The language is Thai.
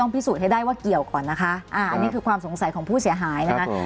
ต้องพิสูจน์ให้ได้ว่าเกี่ยวก่อนนะคะ